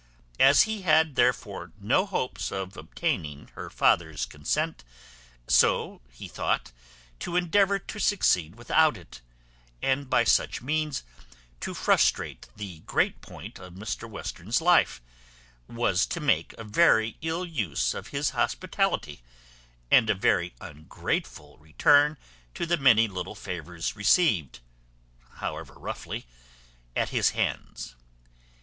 As he had therefore no hopes of obtaining her father's consent; so he thought to endeavour to succeed without it, and by such means to frustrate the great point of Mr Western's life, was to make a very ill use of his hospitality, and a very ungrateful return to the many little favours received (however roughly) at his hands.